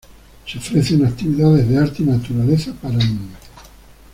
Se ofrecen actividades de arte y naturaleza para niños.